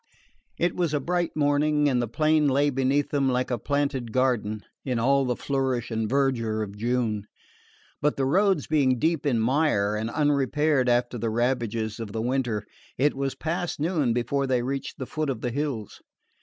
It was a bright morning and the plain lay beneath them like a planted garden, in all the flourish and verdure of June; but the roads being deep in mire, and unrepaired after the ravages of the winter, it was past noon before they reached the foot of the hills.